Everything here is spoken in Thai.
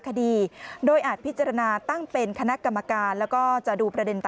คดีโดยอาจพิจารณาตั้งเป็นคณะกรรมการแล้วก็จะดูประเด็นต่อ